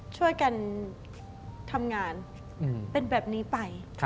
ช่วยกันทำงานเป็นแบบนี้ไป